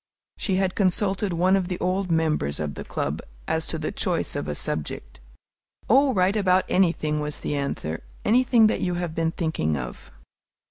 She had consulted one of the old members of the Club as to the choice of a subject. "Oh, write about anything," was the answer, "anything you have been thinking of."